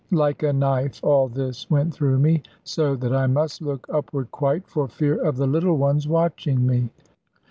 Like a knife all this went through me; so that I must look upward quite, for fear of the little ones watching me.